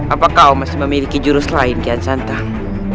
apakah kau masih memiliki jurus lain kian santa